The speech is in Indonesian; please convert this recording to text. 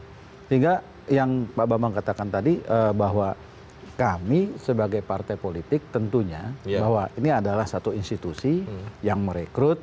sehingga yang pak bambang katakan tadi bahwa kami sebagai partai politik tentunya bahwa ini adalah satu institusi yang merekrut